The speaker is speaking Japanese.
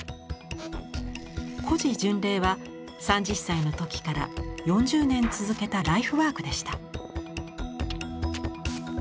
「古寺巡礼」は３０歳の時から４０年続けたライフワークでした。